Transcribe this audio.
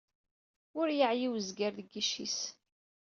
Wer yeɛyi wezgar deg yic-is.